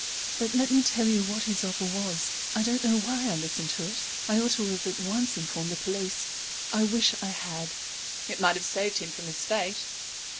"But let me tell you what his offer was. I don't know why I listened to it. I ought to have at once informed the police. I wish I had." "It might have saved him from his fate."